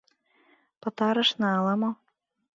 — Пытарышна ала-мо.